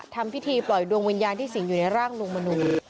ทำพิธีปล่อยดวงวิญญาณที่สิงห์อยู่ในร่างลุงมนู